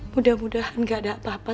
mudah mudahan gak ada apa apa